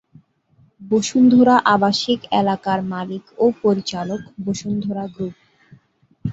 বসুন্ধরা আবাসিক এলাকার মালিক ও পরিচালক বসুন্ধরা গ্রুপ।